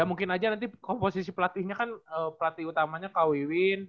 ya mungkin aja nanti komposisi pelatihnya kan pelatih utamanya kak wiwin